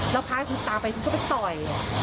แล้วพาคุณตาไปคุณก็ไปต่อย